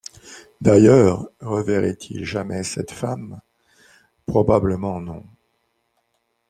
D’ailleurs reverrait-il jamais cette femme ? probablement non.